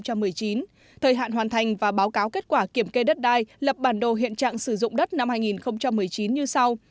thời hạn hoàn thành và báo cáo kết quả kiểm kê đất đai lập bản đồ hiện trạng sử dụng đất năm hai nghìn một mươi chín như sau